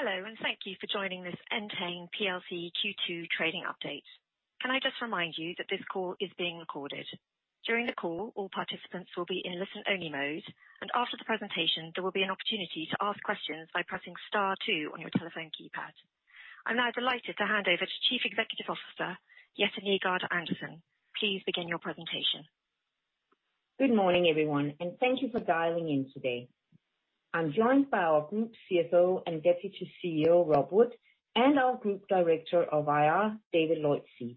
Hello, and thank you for joining this Entain plc Q2 trading update. Can I just remind you that this call is being recorded. During the call, all participants will be in listen-only mode, and after the presentation, there will be an opportunity to ask questions by pressing star two on your telephone keypad. I'm now delighted to hand over to Chief Executive Officer, Jette Nygaard-Andersen. Please begin your presentation. Good morning, everyone, and thank you for dialing in today. I'm joined by our Group CFO and Deputy CEO, Rob Wood, and our Group Director of IR, David Lloyd-Seed.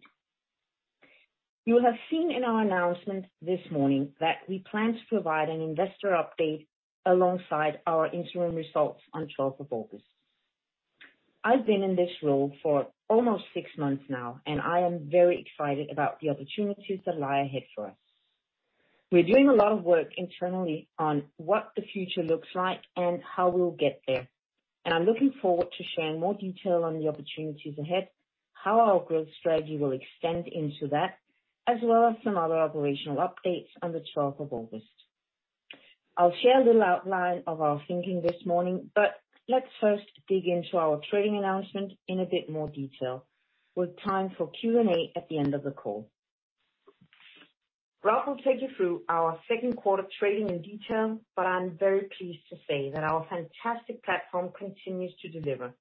You'll have seen in our announcement this morning that we plan to provide an investor update alongside our interim results on 12th of August. I've been in this role for almost six months now, and I am very excited about the opportunities that lie ahead for us. We're doing a lot of work internally on what the future looks like and how we'll get there, and I'm looking forward to sharing more detail on the opportunities ahead, how our growth strategy will extend into that, as well as some other operational updates on the 12th of August. I'll share a little outline of our thinking this morning, but let's first dig into our trading announcement in a bit more detail, with time for Q&A at the end of the call. Rob will take you through our second quarter trading in detail, but I'm very pleased to say that our fantastic platform continues to deliver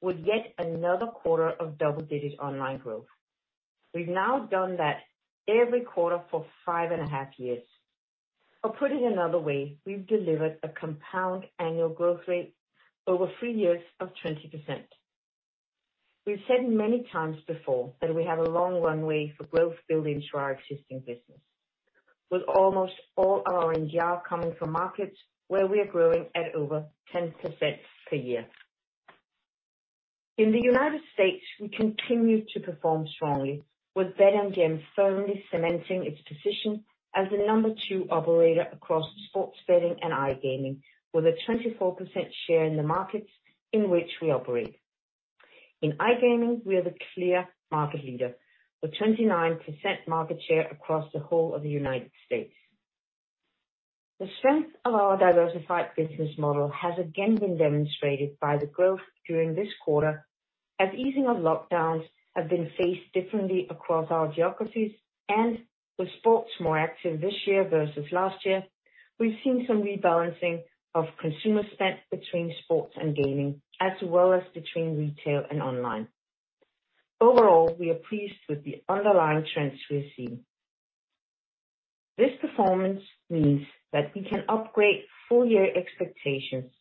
with yet another quarter of double-digit online growth. We've now done that every quarter for five and a half years. Put it another way, we've delivered a compound annual growth rate over three years of 20%. We've said many times before that we have a long runway for growth building to our existing business, with almost all our NGR coming from markets where we are growing at over 10% per year. In the U.S., we continue to perform strongly with BetMGM firmly cementing its position as the number two operator across sports betting and iGaming, with a 24% share in the markets in which we operate. In iGaming, we are the clear market leader, with 29% market share across the whole of the U.S. The strength of our diversified business model has again been demonstrated by the growth during this quarter. As easing of lockdowns have been faced differently across our geographies, and with sports more active this year versus last year, we've seen some rebalancing of consumer spend between sports and gaming, as well as between retail and online. Overall, we are pleased with the underlying trends we are seeing. This performance means that we can upgrade full-year expectations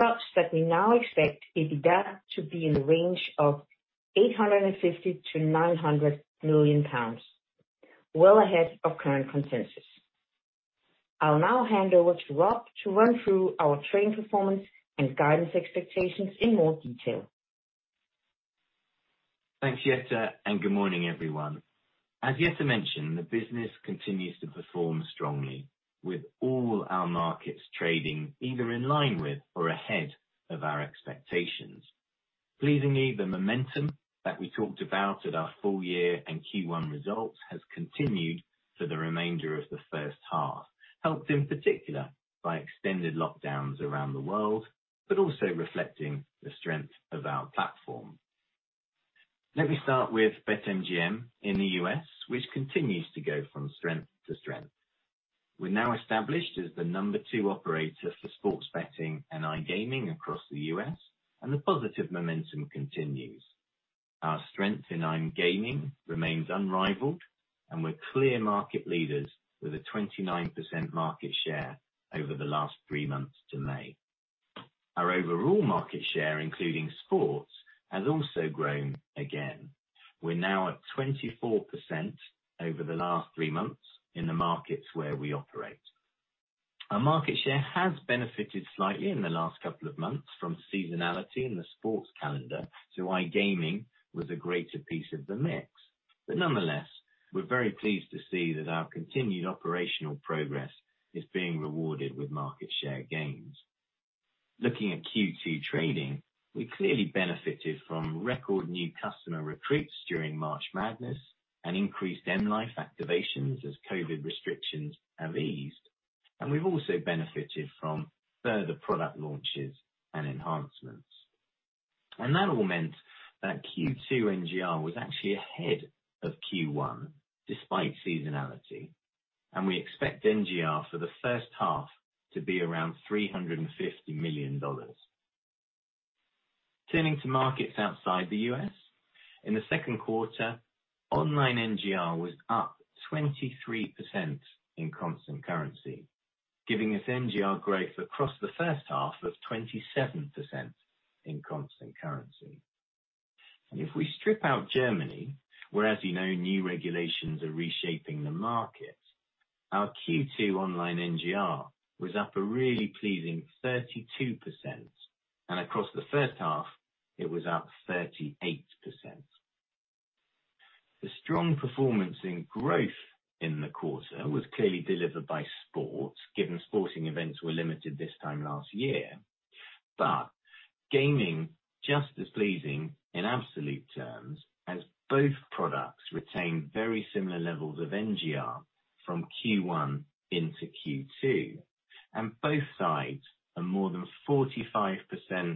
such that we now expect EBITDA to be in the range of 850 million-900 million pounds, well ahead of current consensus. I'll now hand over to Rob to run through our trading performance and guidance expectations in more detail. Thanks, Jette. Good morning, everyone. As Jette mentioned, the business continues to perform strongly with all our markets trading either in line with or ahead of our expectations. Pleasingly, the momentum that we talked about at our full year and Q1 results has continued for the remainder of the first half, helped in particular by extended lockdowns around the world, but also reflecting the strength of our platform. Let me start with BetMGM in the U.S., which continues to go from strength to strength. We're now established as the number two operator for sports betting and iGaming across the U.S., and the positive momentum continues. Our strength in iGaming remains unrivaled, and we're clear market leaders with a 29% market share over the last three months to May. Our overall market share, including sports, has also grown again. We're now at 24% over the last three months in the markets where we operate. Our market share has benefited slightly in the last couple of months from seasonality in the sports calendar to iGaming with a greater piece of the mix. Nonetheless, we're very pleased to see that our continued operational progress is being rewarded with market share gains. Looking at Q2 trading, we clearly benefited from record new customer recruits during March Madness and increased M-life activations as COVID restrictions have eased, and we've also benefited from further product launches and enhancements. That all meant that Q2 NGR was actually ahead of Q1 despite seasonality, and we expect NGR for the first half to be around $350 million. Turning to markets outside the U.S., in the second quarter, online NGR was up 23% in constant currency, giving us NGR growth across the first half of 27% in constant currency. If we strip out Germany, where, as you know, new regulations are reshaping the market, our Q2 online NGR was up a really pleasing 32%, and across the first half, it was up 38%. The strong performance in growth in the quarter was clearly delivered by Sport given sporting events were limited this time last year but gaming was just as pleasing in absolute terms as both products retained very similar levels of NGR from Q1 into Q2 and both sides are more than 45%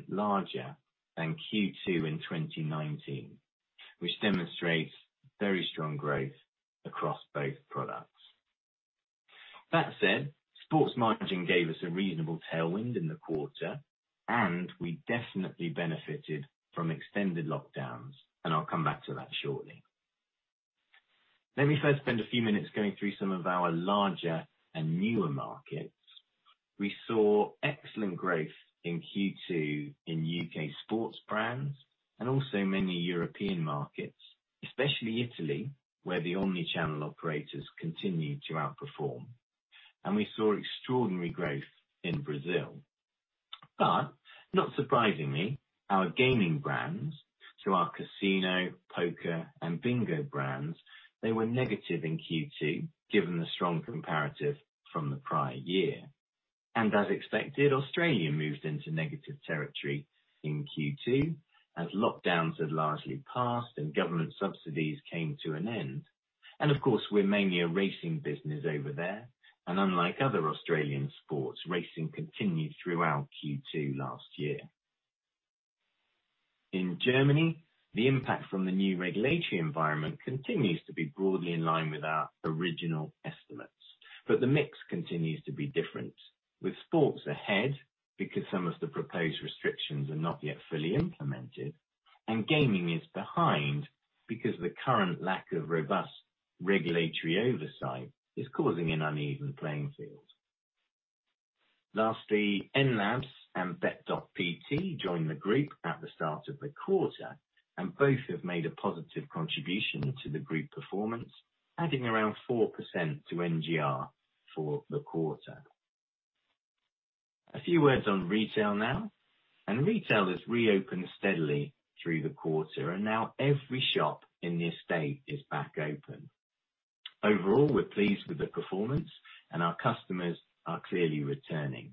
larger than Q2 in 2019. Which demonstrates very strong growth across both products. That said, sports margin gave us a reasonable tailwind in the quarter, and we definitely benefited from extended lockdowns, and I'll come back to that shortly. Let me first spend a few minutes going through some of our larger and newer markets. We saw excellent growth in Q2 in U.K. sports brands and also many European markets, especially Italy, where the omni-channel operators continued to outperform. We saw extraordinary growth in Brazil. Not surprisingly, our gaming brands through our casino, poker, and bingo brands, they were negative in Q2 given the strong comparative from the prior year. As expected, Australia moves into negative territory in Q2 as lockdowns had largely passed and government subsidies came to an end. Of course, we're mainly a racing business over there, and unlike other Australian sports, racing continued throughout Q2 last year. In Germany, the impact from the new regulatory environment continues to be broadly in line with our original estimates. The mix continues to be different, with sports ahead because some of the proposed restrictions are not yet fully implemented, and gaming is behind because the current lack of robust regulatory oversight is causing an uneven playing field. Lastly, Enlabs and Bet.pt joined the group at the start of the quarter, and both have made a positive contribution to the group performance, adding around 4% to NGR for the quarter. A few words on retail now, and retail has reopened steadily through the quarter and now every shop in the estate is back open. Overall, we're pleased with the performance and our customers are clearly returning.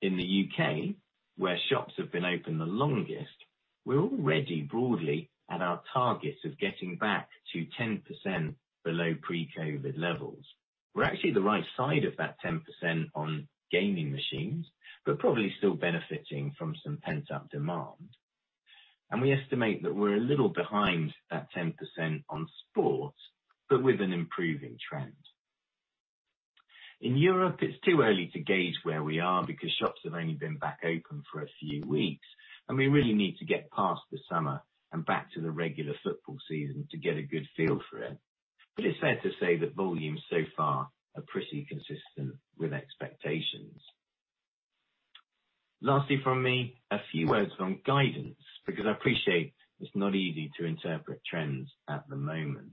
In the U.K., where shops have been open the longest, we're already broadly at our targets of getting back to 10% below pre-COVID levels. We're actually the right side of that 10% on gaming machines, but probably still benefiting from some pent-up demand. We estimate that we're a little behind that 10% on sports, but with an improving trend. In Europe, it's too early to gauge where we are because shops have only been back open for a few weeks, and we really need to get past the summer and back to the regular football season to get a good feel for it. It's fair to say that volumes so far are pretty consistent with expectations. Lastly from me, a few words on guidance because I appreciate it's not easy to interpret trends at the moment.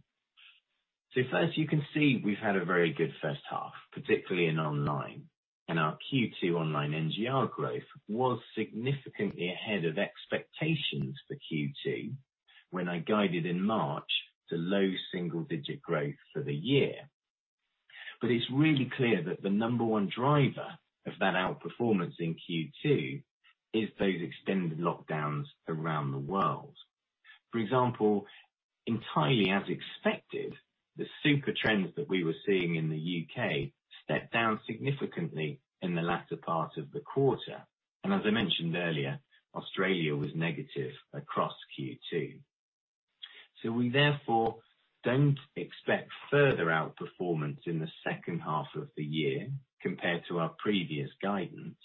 First, as you can see, we've had a very good first half, particularly in online, and our Q2 online NGR growth was significantly ahead of expectations for Q2 when I guided in March to low double-digit growth for the year. It's really clear that the number one driver of that outperformance in Q2 is those extended lockdowns around the world. For example, entirely as expected, the super trends that we were seeing in the U.K. stepped down significantly in the latter part of the quarter. As I mentioned earlier, Australia was negative across Q2. We therefore don't expect further outperformance in the second half of the year compared to our previous guidance.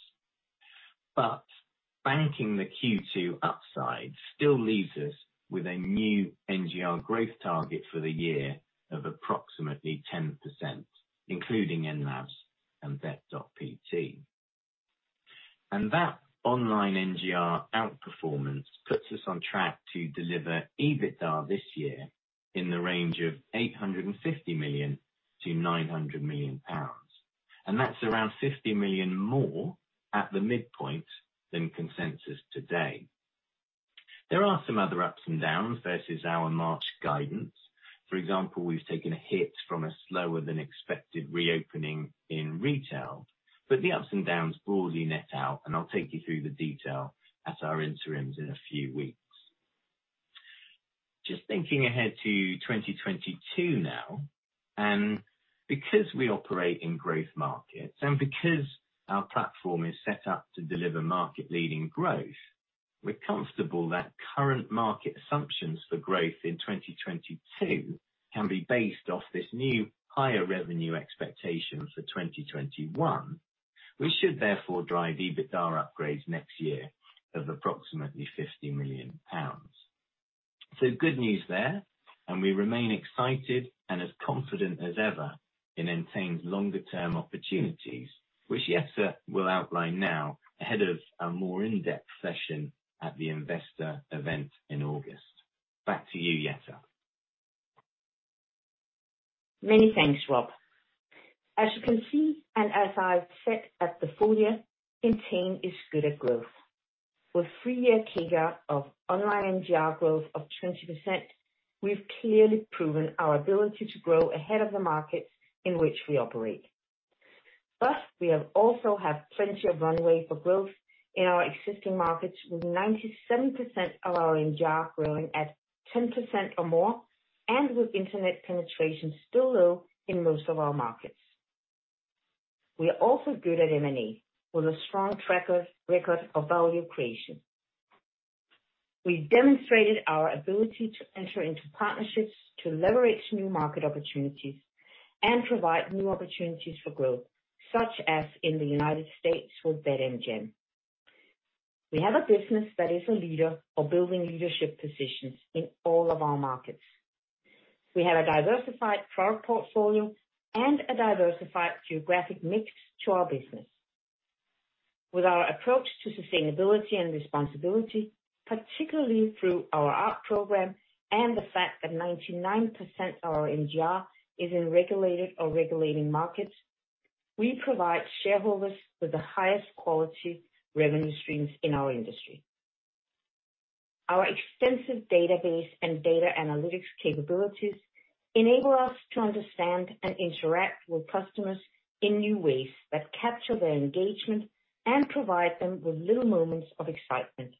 Banking the Q2 upside still leaves us with a new NGR growth target for the year of approximately 10%, including Enlabs and Bet.pt. That online NGR outperformance puts us on track to deliver EBITDA this year in the range of 850 million-900 million pounds. That's around 50 million more at the midpoint than consensus today. There are some other ups and downs versus our March guidance. For example, we've taken a hit from a slower-than-expected reopening in retail. The ups and downs broadly net out and I'll take you through the detail at our interims in a few weeks. Just thinking ahead to 2022 now, and because we operate in growth markets and because our platform is set up to deliver market-leading growth, we're comfortable that current market assumptions for growth in 2022 can be based off this new higher revenue expectation for 2021. We should therefore drive EBITDA upgrades next year of approximately 50 million pounds. Good news there, and we remain excited and as confident as ever in Entain's longer-term opportunities, which Jette will outline now ahead of a more in-depth session at the investor event in August. Back to you, Jette. Many thanks, Rob. As you can see and as I've said at the full year, Entain is good at growth. With three-year CAGR of online NGR growth of 20%, we've clearly proven our ability to grow ahead of the markets in which we operate. We also have plenty of runway for growth in our existing markets, with 97% of our NGR growing at 10% or more, and with internet penetration still low in most of our markets. We are also good at M&A with a strong track record of value creation. We've demonstrated our ability to enter into partnerships to leverage new market opportunities and provide new opportunities for growth, such as in the U.S. with BetMGM. We have a business that is a leader or building leadership positions in all of our markets. We have a diversified product portfolio and a diversified geographic mix to our business. With our approach to sustainability and responsibility, particularly through our ARC program and the fact that 99% of our NGR is in regulated or regulating markets, we provide shareholders with the highest quality revenue streams in our industry. Our extensive database and data analytics capabilities enable us to understand and interact with customers in new ways that capture their engagement and provide them with little moments of excitement.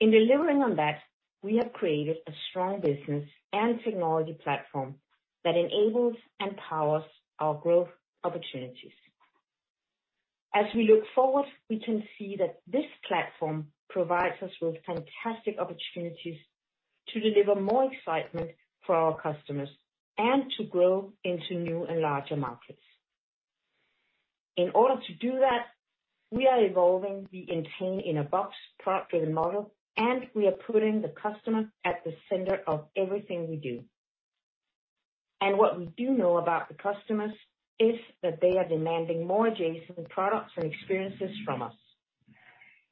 In delivering on that, we have created a strong business and technology platform that enables and powers our growth opportunities. As we look forward, we can see that this platform provides us with fantastic opportunities to deliver more excitement for our customers and to grow into new and larger markets. In order to do that, we are evolving the Entain-in-a-box product and model, and we are putting the customer at the center of everything we do. What we do know about the customers is that they are demanding more adjacent products and experiences from us.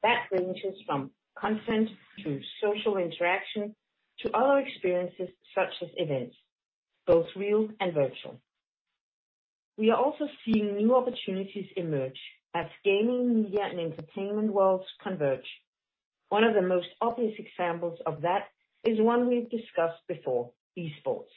That ranges from content to social interaction to other experiences such as events, both real and virtual. We are also seeing new opportunities emerge as gaming, media, and entertainment worlds converge. One of the most obvious examples of that is one we've discussed before, esports.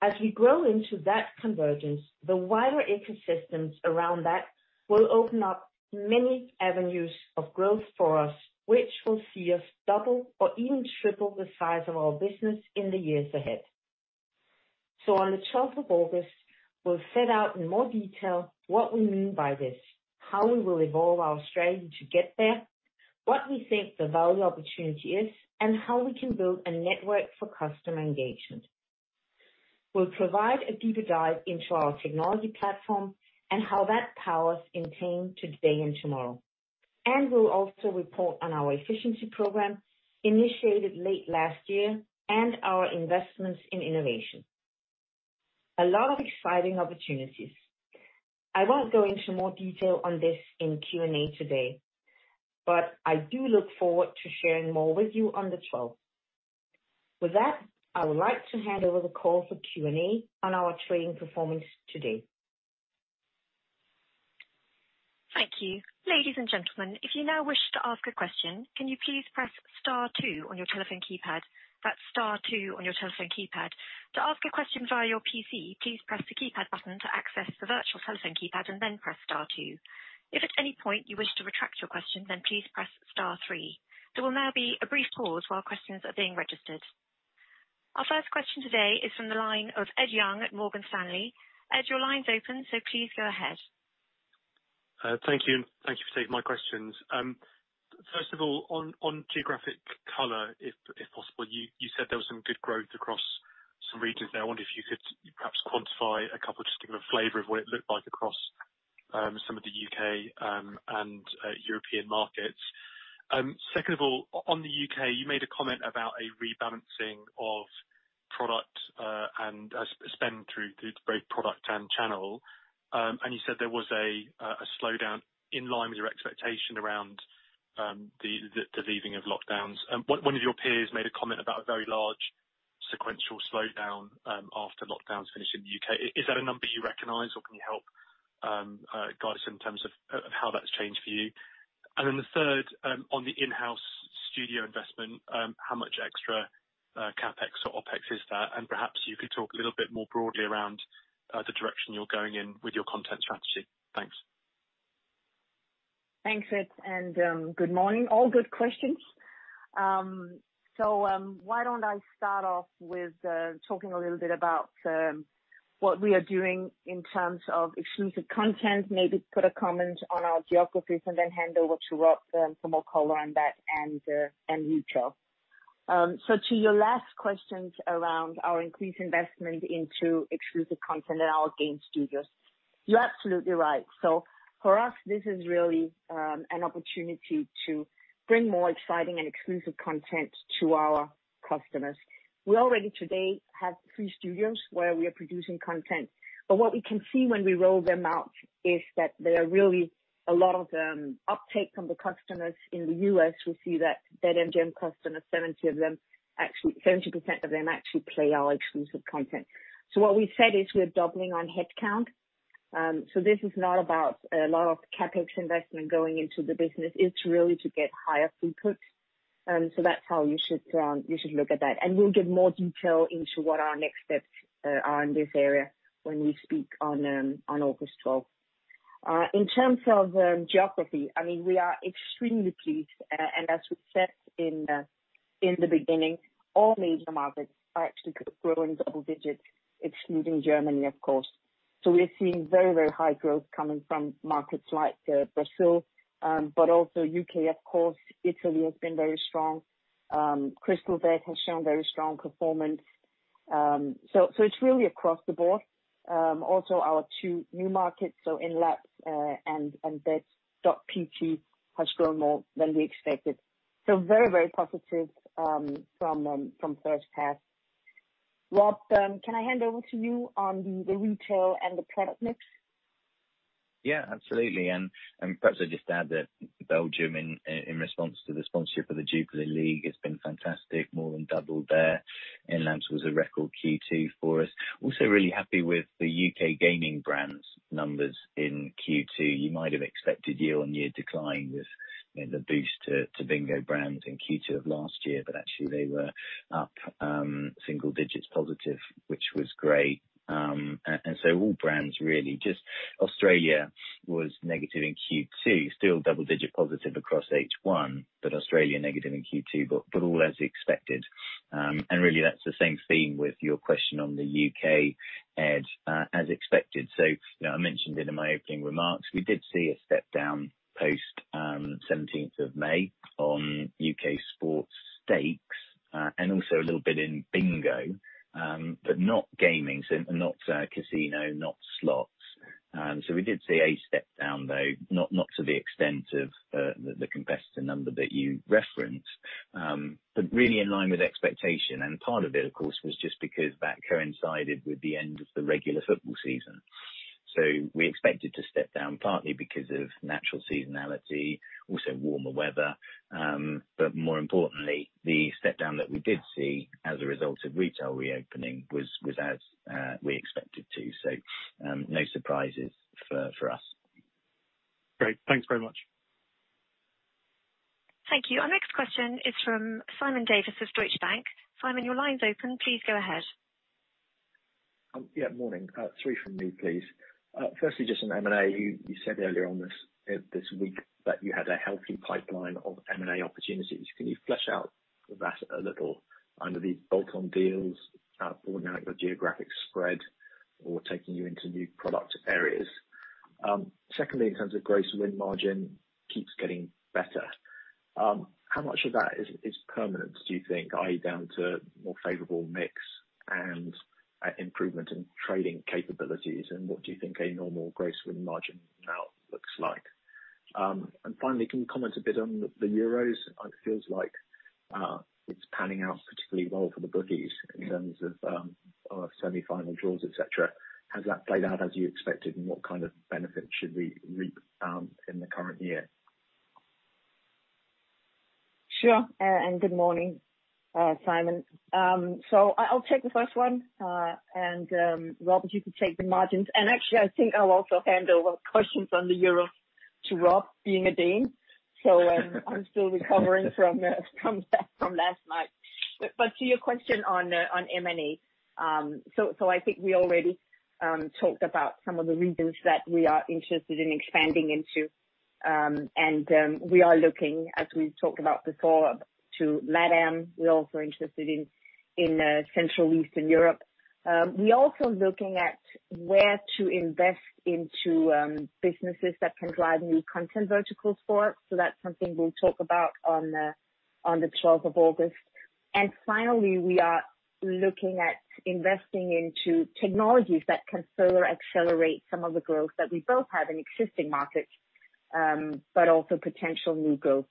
As we grow into that convergence, the wider ecosystems around that will open up many avenues of growth for us, which will see us double or even triple the size of our business in the years ahead. On the 12th of August, we'll set out in more detail what we mean by this, how we will evolve our strategy to get there, what we think the value opportunity is, and how we can build a network for customer engagement. We'll provide a deeper dive into our technology platform and how that powers Entain today and tomorrow. We'll also report on our efficiency program initiated late last year and our investments in innovation. A lot of exciting opportunities. I won't go into more detail on this in Q&A today, but I do look forward to sharing more with you on the 12th. With that, I would like to hand over the call for Q&A on our trading performance today. Thank you. Ladies and gentlemen, if you now wish to ask a question, can you please press star two on you telephone keypad. Press star two on your telephone keypad. To ask a question via your PC please press the keypad button to access the virtual telephone keypad and then press star two. If at any point you wish to retract your question, then press star three. There will be a brief pause, while questions are being registered. Our first question today is from the line of Ed Young at Morgan Stanley. Ed, your line's open, so please go ahead. Thank you. Thank you for taking my questions. First of all, on geographic color, if possible, you said there was some good growth across some regions there. I wonder if you could perhaps quantify a couple, just to give a flavor of what it looked like across some of the U.K. and European markets. Secondly, on the U.K., you made a comment about a rebalancing of product and spend through both product and channel, and you said there was a slowdown in line with your expectation around the leaving of lockdowns. One of your peers made a comment about a very large sequential slowdown after lockdowns finished in the U.K. Is that a number you recognize or can you help guide us in terms of how that's changed for you? And then the third, on the in-house studio investment, how much extra CapEx or OpEx is that? Perhaps you could talk a little bit more broadly around the direction you're going in with your content strategy. Thanks. Thanks, Ed, and good morning. All good questions. Why don't I start off with talking a little bit about what we are doing in terms of exclusive content, maybe put a comment on our geographies, and then hand over to Rob for more color on that and retail. To your last questions around our increased investment into exclusive content and our game studios, you're absolutely right. For us, this is really an opportunity to bring more exciting and exclusive content to our customers. We already today have three studios where we are producing content. What we can see when we roll them out is that there is really a lot of uptake from the customers. In the U.S., we see that BetMGM customers, 70% of them actually play our exclusive content. What we've said is we're doubling our headcount. This is not about a lot of CapEx investment going into the business, it's really to get higher throughput. That's how you should look at that. We'll give more detail into what our next steps are in this area when we speak on August 12th. In terms of geography, we are extremely pleased, and as we said in the beginning, all major markets are actually growing double digits, excluding Germany of course. We're seeing very, very high growth coming from markets like Brazil, but also U.K. of course, Italy has been very strong. Crystalbet has shown very strong performance. It's really across the board. Also our two new markets, Enlabs and Bet.pt have grown more than we expected. Very, very positive from first half. Rob, can I hand over to you on the retail and the product mix? Yeah, absolutely. Perhaps I just add that Belgium in response to the sponsorship of the Jupiler Pro League has been fantastic. More than doubled there. Enlabs was a record Q2 for us. Also really happy with the U.K. gaming brands numbers in Q2. You might have expected year-over-year decline with the boost to bingo brands in Q2 of last year. Actually, they were up single digits positive, which was great. All brands really just Australia was negative in Q2, still double digit positive across H1, but Australia negative in Q2, but all as expected. Really, that's the same theme with your question on the U.K., Ed, as expected. I mentioned it in my opening remarks. We did see a step down post 17th of May on U.K. sports stakes, and also a little bit in bingo, but not gaming, so not casino, not slots. We did see a step down, though not to the extent of the competitor number that you referenced, but really in line with expectation. Part of it, of course, was just because that coincided with the end of the regular football season. We expected to step down partly because of natural seasonality, also warmer weather. More importantly, the step down that we did see as a result of retail reopening was as we expected to. No surprises for us. Great. Thanks very much. Thank you. Our next question is from Simon Davies of Deutsche Bank. Simon, your line's open. Please go ahead. Yeah, Morning. Three from me, please. Just on M&A, you said earlier on this week that you had a healthy pipeline of M&A opportunities. Can you flesh out that a little? Are these bolt-on deals broadening your geographic spread or taking you into new product areas? In terms of gross win margin keeps getting better. How much of that is permanent, do you think? Are you down to more favorable mix and improvement in trading capabilities and what do you think a normal gross win margin now looks like? Finally, can you comment a bit on the Euros? It feels like, it's panning out particularly well for the bookies in terms of semifinal draws, et cetera. Has that played out as you expected, and what kind of benefit should we reap in the current year? Sure. Good morning, Simon. I'll take the first one, and Rob, you can take the margins. Actually I think I'll also hand over questions on the Euros to Rob, being a Dean. I'm still recovering from last night. To your question on M&A. I think we already talked about some of the reasons that we are interested in expanding into, and we are looking, as we've talked about before, to LatAm. We're also interested in Central Eastern Europe. We're also looking at where to invest into businesses that can drive new content verticals for us. That's something we'll talk about on the 12th of August. Finally, we are looking at investing into technologies that can further accelerate some of the growth that we both had in existing markets, but also potential new growth.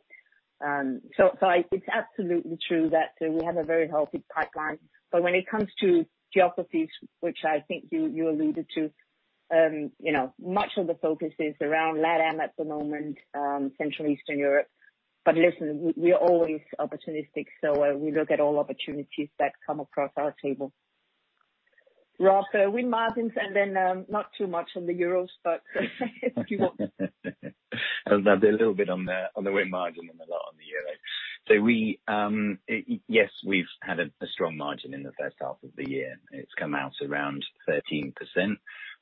It's absolutely true that we have a very healthy pipeline. When it comes to geographies, which I think you alluded to, much of the focus is around LatAm at the moment, Central Eastern Europe. Listen, we are always opportunistic, so we look at all opportunities that come across our table. Rob, win margins and then not too much on the Euros, but if you want. I'll add a little bit on the win margin and a lot on the Euros. Yes, we've had a strong margin in the first half of the year. It's come out around 13%,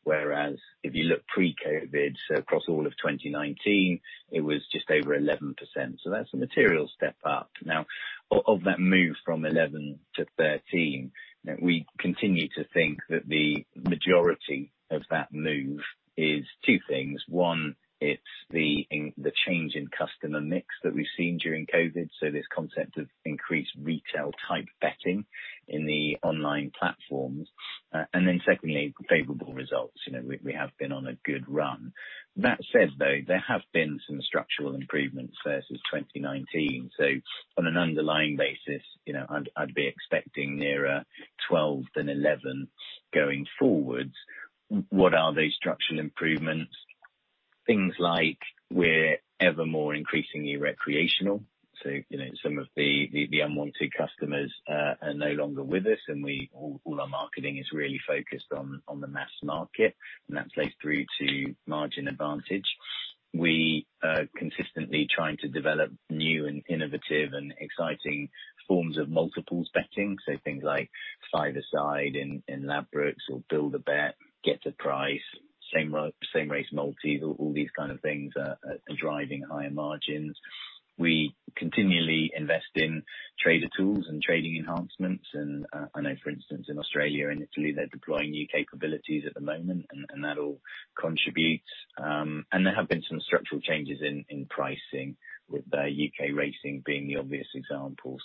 whereas if you look pre-COVID, so across all of 2019, it was just over 11%. That's a material step up. Now of that move from 11% to 13%, we continue to think that the majority of that move is two things. One, it's the change in customer mix that we've seen during COVID. This concept of increased retail type betting in the online platforms. Secondly, favorable results. We have been on a good run. That said, though, there have been some structural improvements versus 2019. On an underlying basis I'd be expecting nearer 12% than 11% going forward. What are those structural improvements? Things like we're ever more increasingly recreational. Some of the unwanted customers are no longer with us. All our marketing is really focused on the mass market. That plays through to margin advantage. We are consistently trying to develop new and innovative and exciting forms of multiples betting. Things like 5-A-Side in Ladbrokes or Build a Bet, get the price, Same Race Multis, all these kind of things are driving higher margins. We continually invest in trader tools and trading enhancements. I know for instance in Australia and Italy they're deploying new capabilities at the moment. That all contributes. There have been some structural changes in pricing with U.K. racing being the obvious example.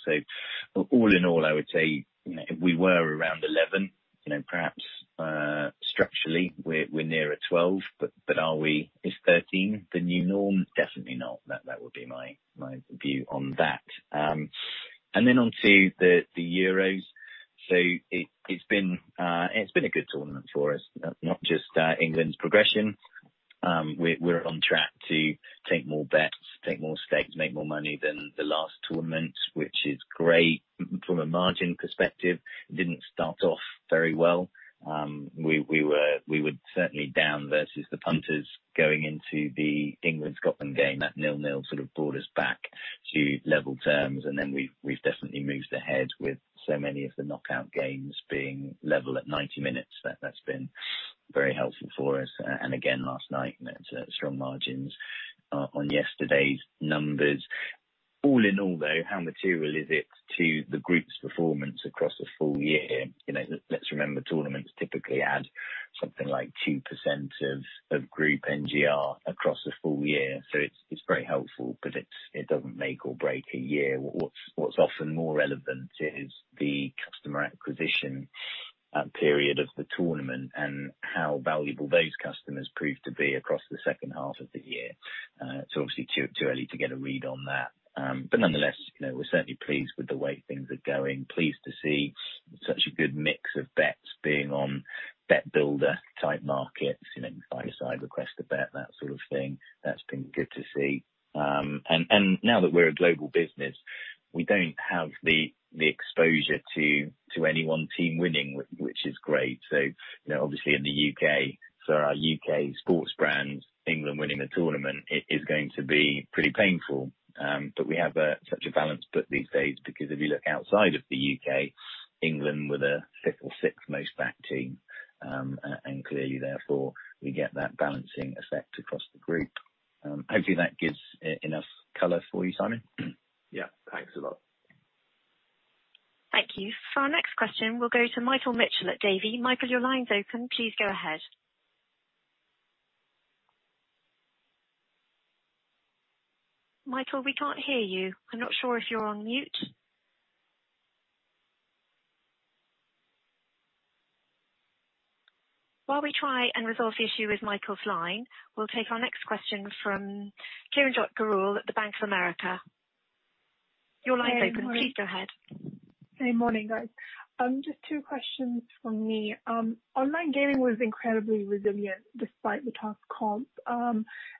All in all, I would say if we were around 11%, perhaps structurally we're nearer 12%, but is 13% the new norm? Definitely not. That would be my view on that. Then on to the Euros. It's been a good tournament for us, not just England's progression. We're on track to take more bets, take more stakes, make more money than the last tournament, which is great. From a margin perspective, it didn't start off very well. We were certainly down versus the punters going into the England-Scotland game. That nil-nil brought us back to level terms, then we've definitely moved ahead with so many of the knockout games being level at 90 minutes. That's been very helpful for us. Again, last night, strong margins on yesterday's numbers. All in all, though, how material is it to the group's performance across a full year? Let's remember tournaments typically add something like 2% of group NGR across a full year. It's very helpful, it doesn't make or break a year. What's often more relevant is the customer acquisition period of the tournament and how valuable those customers prove to be across the second half of the year. It's obviously too early to get a read on that. Nonetheless, we're certainly pleased with the way things are going. Pleased to see such a good mix of bets being on bet builder type markets, 5-A-Side, Request a Bet, that sort of thing. That's been good to see. Now that we're a global business, we don't have the exposure to any one team winning, which is great. Obviously in the U.K., for our U.K. sports brands, England winning the tournament is going to be pretty painful. We have such a balanced book these days because if you look outside of the U.K., England were the fifth or sixth most backed team, and clearly therefore we get that balancing effect across the group. Hopefully that gives enough color for you, Simon. Yeah, thanks a lot. Thank you. For our next question, we'll go to Michael Mitchell at Davy. Michael, your line's open. Please go ahead. Michael, we can't hear you. We're not sure if you're on mute. While we try and resolve the issue with Michael's line, we'll take our next question from Kiranjot Grewal at Bank of America. Your line's open. Please go ahead Good morning. Just two questions from me. Online gaming was incredibly resilient despite the tough comps,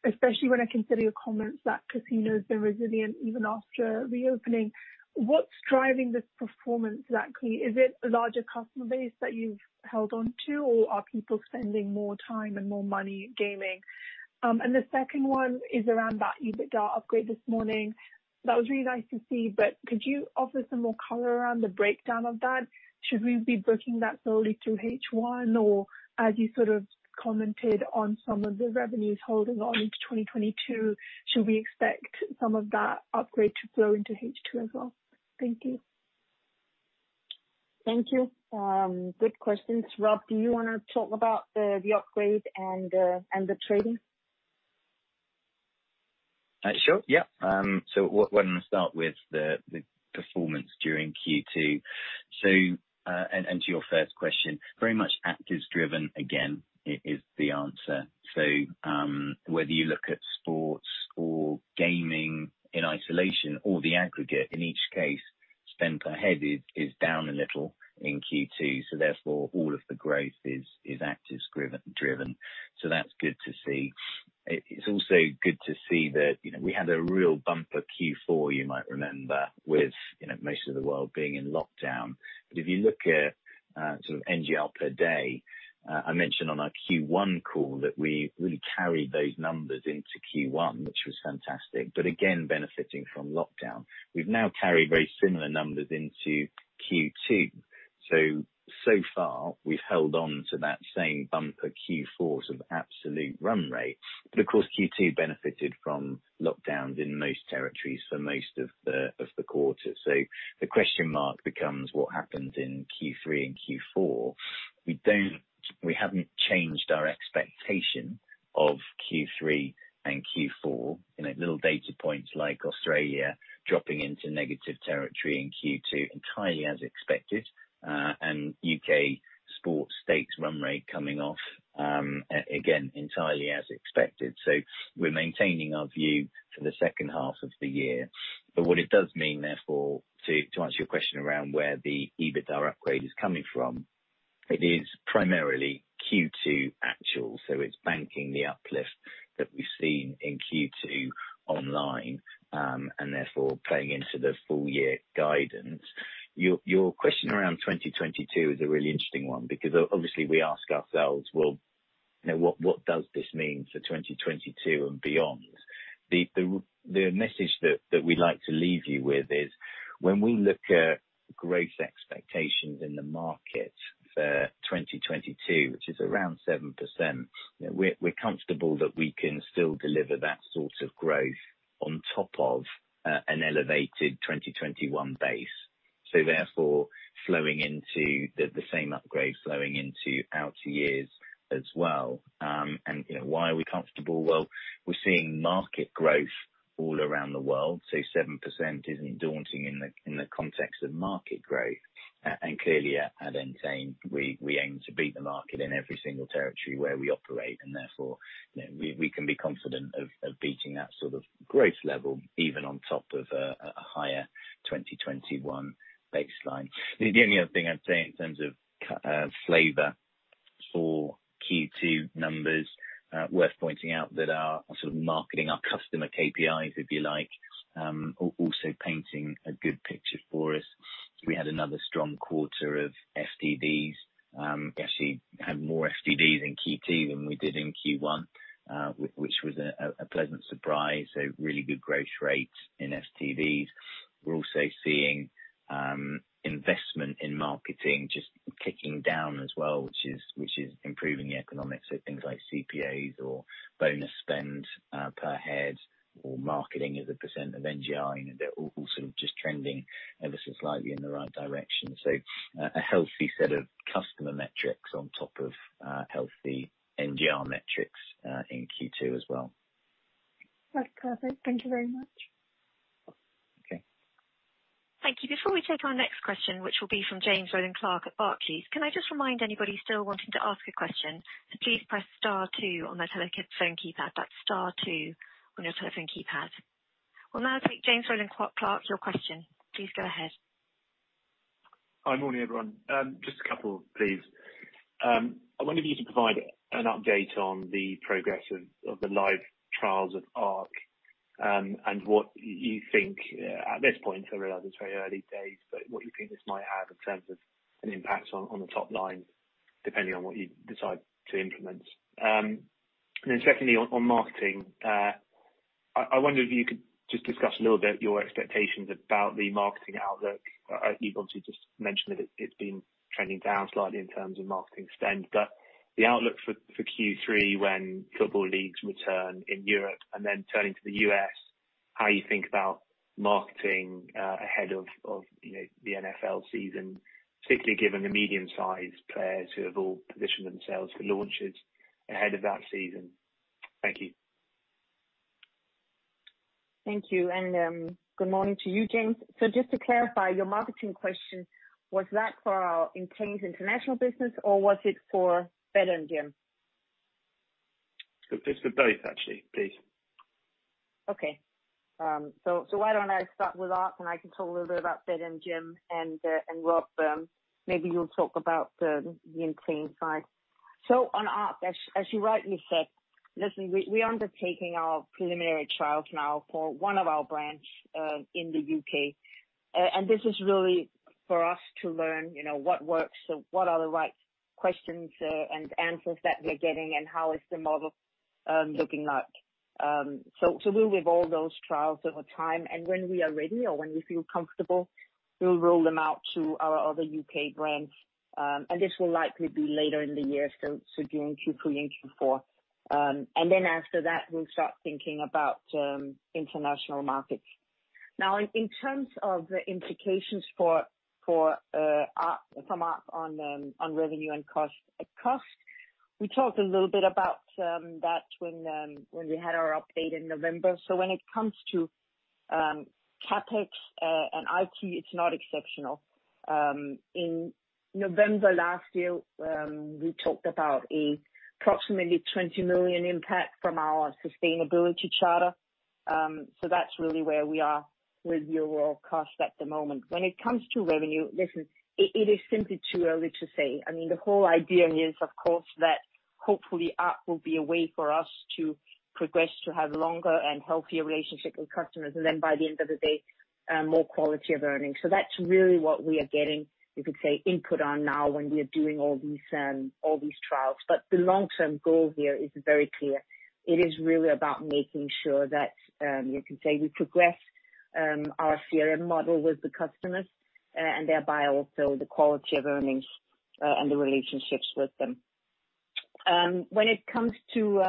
especially when I consider your comments that casinos are resilient even after reopening. What's driving this performance exactly? Is it the larger customer base that you've held onto, or are people spending more time and more money gaming? The second one is around that EBITDA upgrade this morning. That was really nice to see, could you offer some more color around the breakdown of that? Should we be booking that solely to H1, or as you commented on some of the revenues holding on into 2022, should we expect some of that upgrade to flow into H2 as well? Thank you. Thank you. Good questions. Rob, do you want to talk about the upgrade and the trading? Sure. Yeah. Why don't I start with the performance during Q2? To your first question, very much actives driven again is the answer. Whether you look at sports or gaming in isolation or the aggregate, in each case, spend per head is down a little in Q2, so therefore all of the growth is actives driven. That's good to see. It's also good to see that we had a real bumper Q4, you might remember, with most of the world being in lockdown. If you look at NGR per day, I mentioned on our Q1 call that we really carried those numbers into Q1, which was fantastic, but again, benefiting from lockdown. We've now carried very similar numbers into Q2. So far, we've held on to that same bumper Q4 absolute run rate. Of course, Q2 benefited from lockdowns in most territories for most of the quarter. The question mark becomes what happens in Q3 and Q4. We haven't changed our expectation of Q3 and Q4. Little data points like Australia dropping into negative territory in Q2, entirely as expected, and U.K. sports stakes run rate coming off, again, entirely as expected. We're maintaining our view for the second half of the year. What it does mean, therefore, to answer your question around where the EBITDA upgrade is coming from, it is primarily Q2 actual. It's banking the uplift that we've seen in Q2 online, and therefore playing into the full year guidance. Your question around 2022 is a really interesting one because obviously we ask ourselves, well, what does this mean for 2022 and beyond? The message that we'd like to leave you with is when we look at growth expectations in the market for 2022, which is around 7%, we're comfortable that we can still deliver that sort of growth on top of an elevated 2021 base. Therefore, the same upgrade flowing into outer years as well. Why are we comfortable? Well, we're seeing market growth all around the world, so 7% isn't daunting in the context of market growth. Clearly at Entain, we aim to beat the market in every single territory where we operate, and therefore, we can be confident of beating that sort of growth level, even on top of a higher 2021 baseline. The only other thing I'd say in terms of flavor for Q2 numbers, worth pointing out that our marketing, our customer KPIs, if you like, are also painting a good picture for us. We had another strong quarter of FTDs. Actually, had more FTDs in Q2 than we did in Q1, which was a pleasant surprise. Really good growth rates in FTDs. We're also seeing investment in marketing just ticking down as well, which is improving the economics of things like CPAs or bonus spend per head or marketing as a percent of NGR. They're all just trending ever so slightly in the right direction. A healthy set of customer metrics on top of healthy NGR metrics in Q2 as well. That's perfect. Thank you very much. Okay. Thank you. Before we take our next question, which will be from James Rowland Clark at Barclays, can I just remind anybody still wanting to ask a question to please press star two on their telephone keypad. That's star two on your telephone keypad. We'll now take James Rowland Clark, your question. Please go ahead. Hi, morning, everyone. Just a couple, please. I wonder if you could provide an update on the progress of the live trials of ARC and what you think at this point, I realize it's very early days, but what do you think this might have in terms of an impact on the top line, depending on what you decide to implement. Secondly, on marketing, I wonder if you could just discuss a little bit your expectations about the marketing outlook. You've obviously just mentioned that it's been trending down slightly in terms of marketing spend, but the outlook for Q3 when football leagues return in Europe and then turning to the U.S., how you think about marketing ahead of the NFL season, particularly given the medium-sized players who have all positioned themselves for launches ahead of that season. Thank you. Thank you. Good morning to you, James. Just to clarify your marketing question, was that for our Entain's international business or was it for BetMGM? For both, actually, please. Okay. Why don't I start with ARC and I can talk a little bit about BetMGM and Rob, maybe you'll talk about the Entain side. On ARC, as you rightly said, listen, we are undertaking our preliminary trials now for one of our brands in the U.K. This is really for us to learn what works, what are the right questions and answers that we're getting and how is the model looking like. We'll give all those trials over time, when we are ready or when we feel comfortable, we'll roll them out to our other U.K. brands. I guess we'll likely be later in the year, during Q3, Q4. After that, we'll start thinking about international markets. Now, in terms of the implications from ARC on revenue and cost. Cost, we talked a little bit about that when we had our update in November. When it comes to CapEx and IT, it's not exceptional. In November last year, we talked about a approximately 20 million impact from our sustainability charter. That's really where we are with overall cost at the moment. When it comes to revenue, listen, it is simply too early to say. I mean, the whole idea here is, of course, that hopefully ARC will be a way for us to progress to have longer and healthier relationship with customers, and then by the end of the day, more quality of earnings. That's really what we are getting, you could say, input on now when we are doing all these trials. The long-term goal here is very clear. It is really about making sure that, you could say, we progress our CRM model with the customers, and thereby also the quality of earnings and the relationships with them. When it comes to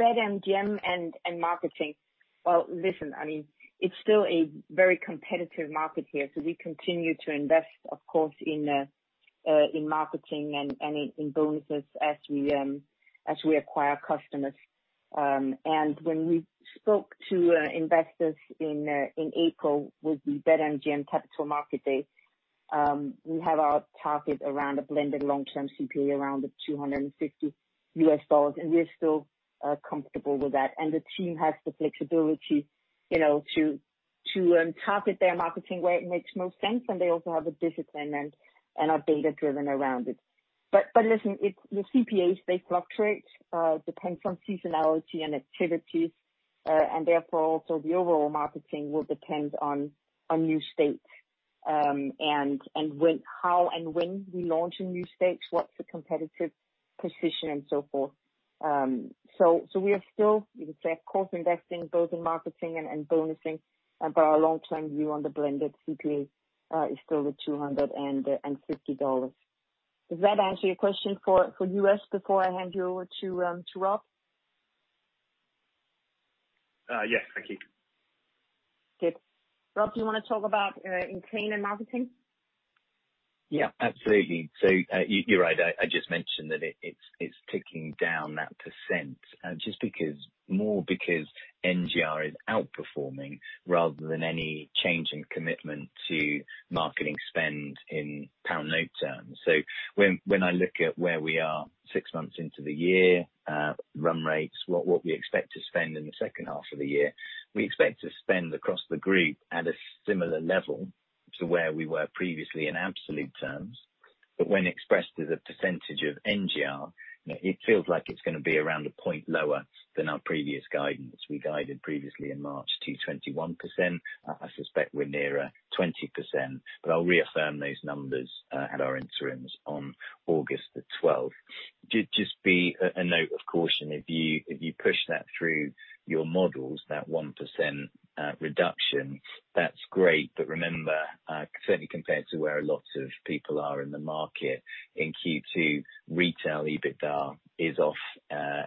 BetMGM and marketing, well, listen, it's still a very competitive market here. We continue to invest, of course, in marketing and in bonuses as we acquire customers. When we spoke to investors in April with the BetMGM capital market date, we had our target around a blended long-term CPA around the $250, and we are still comfortable with that. The team has the flexibility to target their marketing where it makes most sense, and they also have the discipline and are data-driven around it. Listen, the CPAs, they fluctuate, depends on seasonality and activities. Therefore also the overall marketing will depend on new states and how and when we launch in new states, what's the competitive position and so forth. We are still course investing both in marketing and bonusing, and for our long-term view on the blended CPAs is still the $250. Does that answer your question for you, James, before I hand you over to Rob? Yes, thank you. Good. Rob, do you want to talk about Entain and marketing? Yeah, absolutely. You're right. I just mentioned that it's ticking down that percent more because NGR is outperforming rather than any change in commitment to marketing spend in pound note terms. When I look at where we are six months into the year, run rates, what we expect to spend in the second half of the year, we expect to spend across the Group at a similar level to where we were previously in absolute terms. When expressed as a percent of NGR, it feels like it's going to be around a point lower than our previous guidance. We guided previously in March to 21%. I suspect we're nearer 20%, but I'll reaffirm those numbers at our interims on August the 12th. Just be a note of caution, if you push that through your models, that 1% reduction, that's great. Remember, certainly compared to where lots of people are in the market in Q2, retail EBITDA is off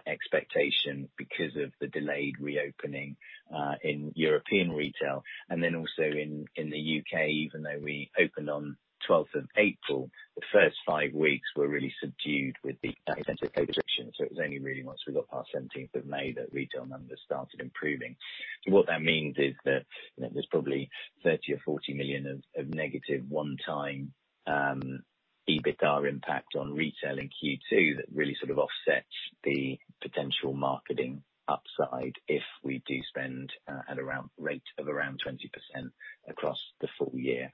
expectation because of the delayed reopening in European retail. Then also in the U.K., even though we opened on 12th of April, the first five weeks were really subdued with the extension. It was only really once we got past 17th of May that retail numbers started improving. What that means is that there's probably 30 million or 40 million of negative one-time EBITDA impact on retail in Q2 that really sort of offsets the potential marketing upside if we do spend at a rate of around 20% across the full year.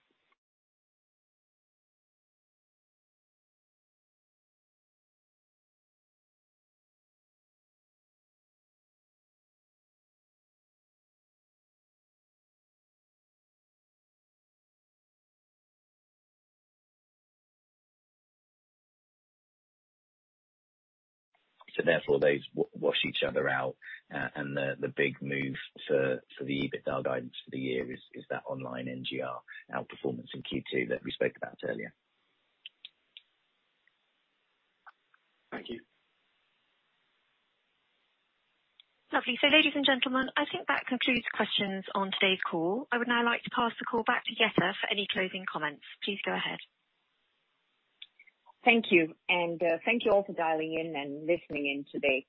Therefore those wash each other out and the big move for the EBITDA guidance for the year is that online NGR outperformance in Q2 that we spoke about earlier. Thank you. Ladies and gentlemen, I think that concludes questions on today's call. I would now like to pass the call back to Jette for any closing comments. Please go ahead. Thank you, thank you all for dialing in and listening in today.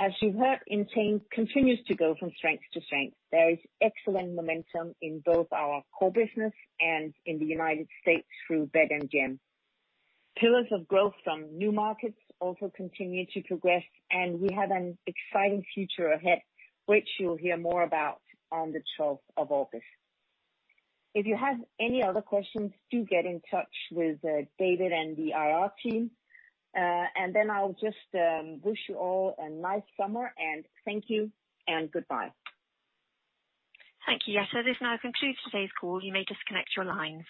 As you've heard, Entain continues to go from strength to strength. There is excellent momentum in both our core business and in the United States through BetMGM. Pillars of growth from new markets also continue to progress, and we have an exciting future ahead, which you'll hear more about on the 12th of August. If you have any other questions, do get in touch with David and the IR team, and then I'll just wish you all a nice summer and thank you and goodbye. Thank you, Jette. This now concludes today's call. You may disconnect your lines.